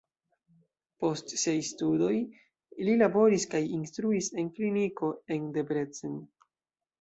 Post siaj studoj li laboris kaj instruis en kliniko en Debrecen.